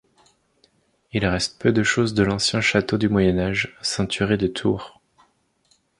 Il reste peu de choses de l'ancien château du Moyen Âge, ceinturé de tours.